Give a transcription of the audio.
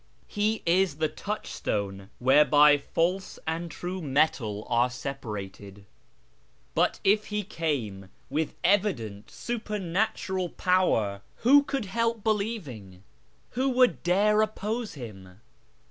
He is the touchstone whereby false and true aetal are separated. But if he came with evident super i 304 A YEAR AMONGST THE PERSIANS natural power, who could help believing ? who would dure oppose him?